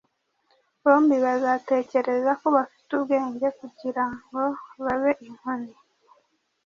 bombi bazatekereza ko bafite ubwenge, kugirango babe inkoni.